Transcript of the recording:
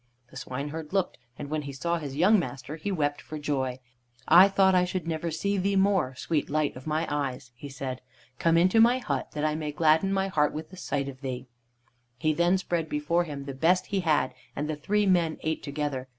The swineherd looked, and when he saw his young master he wept for joy. "I thought I should never see thee more, sweet light of my eyes," he said. "Come into my hut, that I may gladden my heart with the sight of thee." He then spread before him the best he had, and the three men ate together.